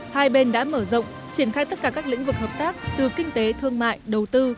hai bên đã mở rộng triển khai tất cả các lĩnh vực hợp tác từ kinh tế thương mại đầu tư